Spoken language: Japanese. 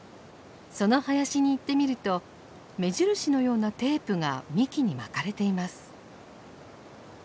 その林に行ってみると目印のようなテープが幹に巻かれています。